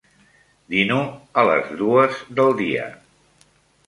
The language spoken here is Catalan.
Dino a les dues del dia.